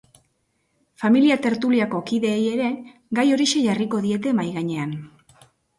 Familia tertuliako kideei ere gai horixe jarriko diete mahai gainean.